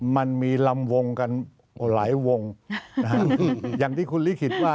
มันมีลำวงกันหลายวงอย่างที่คุณลิขิตว่า